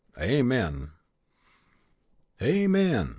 Amen!" "Amen!"